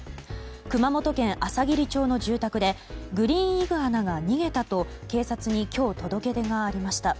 熊本県あさぎり町の住宅でグリーンイグアナが逃げたと警察に今日届け出がありました。